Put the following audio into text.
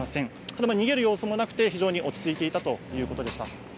ただ逃げる様子もなくて、非常に落ち着いていたということでした。